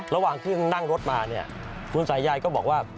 ระหว่างขึ้นนั่งรถมาเนี่ยคุณสายายก็บอกว่า